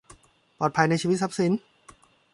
ปลอดภัยในชีวิตทรัพย์สิน